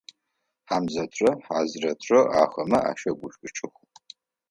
Хьамзэтрэ Хьазрэтрэ ахэмэ ащэгушӏукӏых.